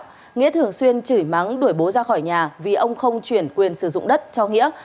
sau đó nghĩa thường xuyên chửi mắng đuổi bố ra khỏi nhà vì ông không chuyển quyền sử dụng đất cho nghĩa